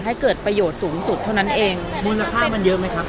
ให้เกิดประโยชน์สูงสุดเท่านั้นเองมูลค่ามันเยอะไหมครับ